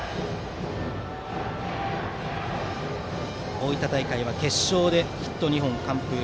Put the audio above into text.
大分大会は決勝でヒット２本完封。